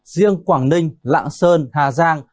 riêng quảng ninh lạng sơn hà giang